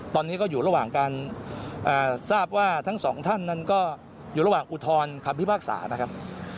ตอนนี้ก็อยู่ระหว่างการทราบว่าทั้งสองท่านนั้นก็อยู่ระหว่างอุทธรณ์คำพิพากษานะครับ